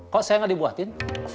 kok saya gak dibuatin